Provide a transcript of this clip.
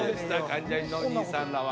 関ジャニの兄さんらは。